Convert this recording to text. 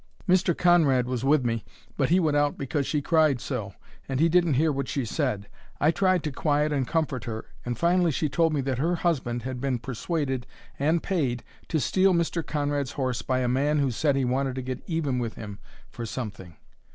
Mr. Conrad was with me, but he went out because she cried so, and he didn't hear what she said. I tried to quiet and comfort her, and finally she told me that her husband had been persuaded and paid to steal Mr. Conrad's horse by a man who said he wanted to get even with him for something.